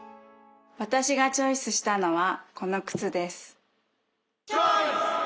私がチョイスしたのはこの靴です。